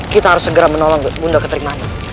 kita harus segera menolong bunda ketik man